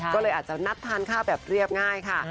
ก็เลยอาจจะนัดพันธุ์ค่าแบบเรียบง่ายค่ะ